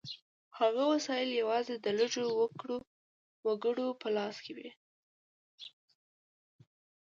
هلته وسایل یوازې د لږو وګړو په لاس کې وي.